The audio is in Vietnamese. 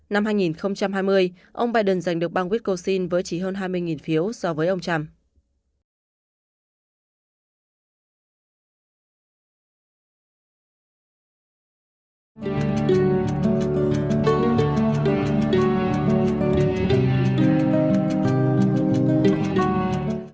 năm hai nghìn hai mươi ông biden giành được bang wisconsin với chỉ hơn hai mươi phiếu so với ông trump